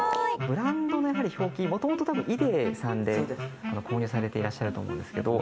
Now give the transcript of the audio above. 「ブランドのやはり表記元々多分ＩＤＥさんで購入されていらっしゃると思うんですけど」